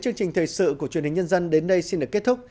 chương trình thời sự của truyền hình nhân dân đến đây xin được kết thúc